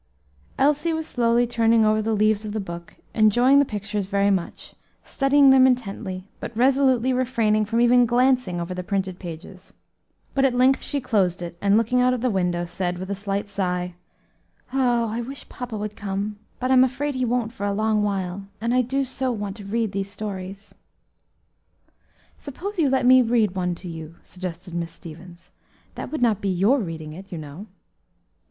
Elsie was slowly turning over the leaves of the book, enjoying the pictures very much, studying them intently, but resolutely refraining from even glancing over the printed pages. But at length she closed it, and, looking out of the window, said, with a slight sigh, "Oh! I wish papa would come; but I'm afraid he won't for a long while, and I do so want to read these stories." "Suppose you let me read one to you," suggested Miss Stevens; "that would not be your reading it, you know."